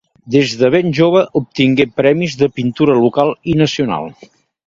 Des de ben jove obtingué premis de pintura local i nacional.